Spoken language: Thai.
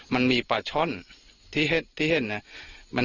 มันมีปลาช่อนที่เห็นนะ